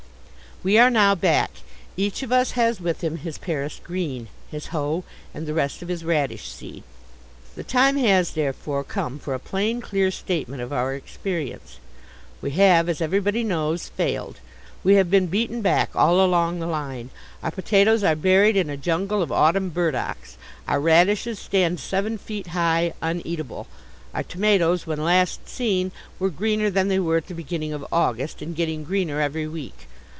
We are now back. Each of us has with him his Paris Green, his hoe and the rest of his radish seed. The time has, therefore, come for a plain, clear statement of our experience. We have, as everybody knows, failed. We have been beaten hack all along the line. Our potatoes are buried in a jungle of autumn burdocks. Our radishes stand seven feet high, uneatable. Our tomatoes, when last seen, were greener than they were at the beginning of August, and getting greener every week.